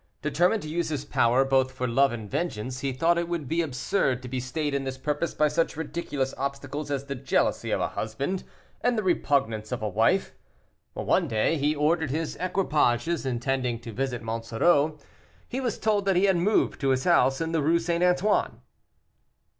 Determined to use his power, both for love and vengeance, he thought it would be absurd to be stayed in this purpose by such ridiculous obstacles as the jealousy of a husband, and the repugnance of a wife. One day he ordered his equipages, intending to visit Monsoreau. He was told that he had moved to his house in the Rue St. Antoine.